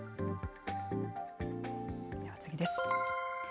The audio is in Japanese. では次です。